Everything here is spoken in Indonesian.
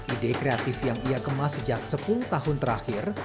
ide kreatif yang ia kemas sejak sepuluh tahun terakhir